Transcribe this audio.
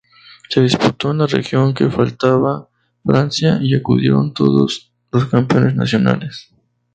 Se disputó en la región que faltaba, Francia, y acudieron todos los campeones nacionales.